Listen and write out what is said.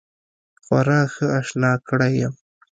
خورا ښه آشنا کړی یم.